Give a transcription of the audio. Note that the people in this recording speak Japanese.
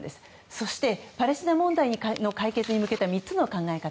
そして、パレスチナ問題の解決に向けた３つの考え方